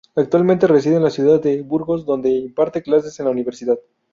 Actualmente reside en la ciudad de Burgos, donde imparte clases en la Universidad.